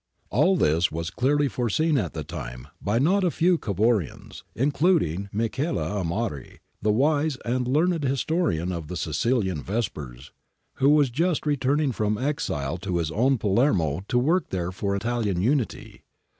All this was clearly foreseen at the time by not a few Cavourians, including Michele Amari, the wise and learned historian of the Sicilian Vespers, who was just returning from exile to his own Palermo to work there for Italian unity.